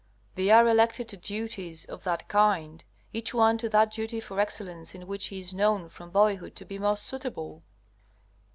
They are elected to duties of that kind, each one to that duty for excellence in which he is known from boyhood to be most suitable.